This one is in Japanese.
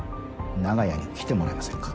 長屋に来てもらえませんか？